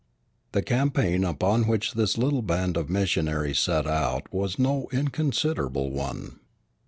_ The campaign upon which this little band of missionaries set out was no inconsiderable one.